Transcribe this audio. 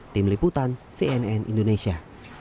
tim liputan cnn indonesia